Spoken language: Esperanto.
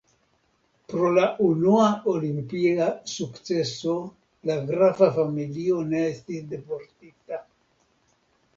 Pro la unua olimpia sukceso la grafa familio ne estis deportita.